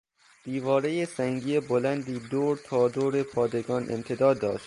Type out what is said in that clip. دیوارهی سنگی بلندی دور تا دور پادگان امتداد داشت.